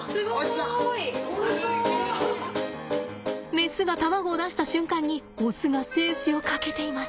メスが卵を出した瞬間にオスが精子をかけています。